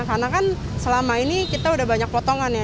karena kan selama ini kita udah banyak potongan ya